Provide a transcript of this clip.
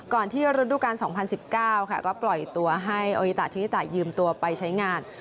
ที่ฤดูการ๒๐๑๙ค่ะก็ปล่อยตัวให้โออิตาทริตะยืมตัวไปใช้งาน